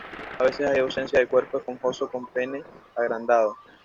A veces hay ausencia de cuerpo esponjoso con pene agrandado.